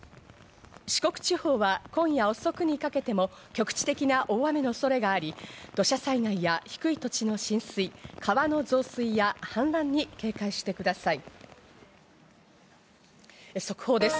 四国地方は今夜遅くにかけても局地的な大雨の恐れがあり、土砂災害や低い土地の浸水、川の増水やはん濫に警戒してくだ速報です。